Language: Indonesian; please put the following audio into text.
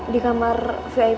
di kamar vip tenaga